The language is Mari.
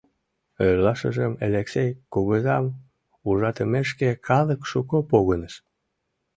Эрлашыжым Элексей кугызам ужатымешке калык шуко погыныш.